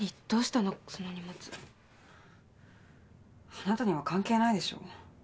あなたには関係ないでしょ。